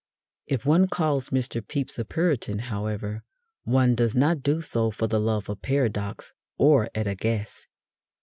If one calls Mr. Pepys a Puritan, however, one does not do so for the love of paradox or at a guess.